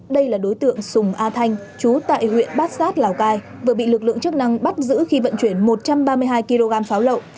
đây là đối tượng sùng a thanh chú tại huyện bát sát lào cai vừa bị lực lượng chức năng bắt giữ khi vận chuyển một trăm ba mươi hai kg pháo lậu